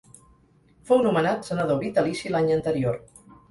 Fou nomenat Senador vitalici l'any anterior.